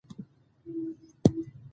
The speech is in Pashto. افغانستان د ښتې په برخه کې نړیوال شهرت لري.